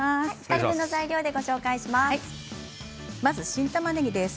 ２人分の材料でご紹介します。